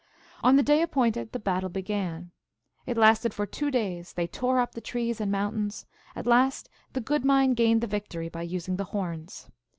] On the day appointed the battle began ; it lasted for two days ; they tore lip the trees and mountains ; at last the Good Mind gained the victory by using the horns.